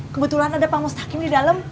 kebetulan ada pak mustaqim di dalam